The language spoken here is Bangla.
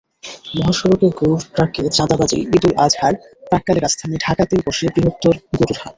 মহাসড়কে গরুর ট্রাকে চাঁদাবাজিঈদুল আজহার প্রাক্কালে রাজধানী ঢাকাতেই বসে বৃহত্তর গরুর হাট।